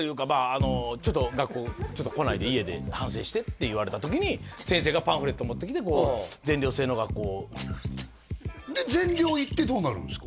あのちょっと学校来ないで家で反省してって言われた時に先生がパンフレット持ってきて全寮制の学校全寮行ってどうなるんですか？